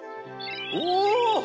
お！